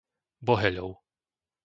Boheľov